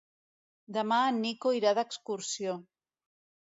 Demà en Nico irà d'excursió.